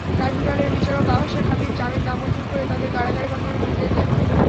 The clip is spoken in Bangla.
ট্রাইব্যুনালের বিচারক আহসান হাবিব জামিন নামঞ্জুর করে তাঁদের কারাগারে পাঠানোর নির্দেশ দেন।